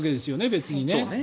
別にね。